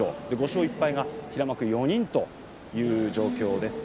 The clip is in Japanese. ５勝１敗が平幕４人という状況です。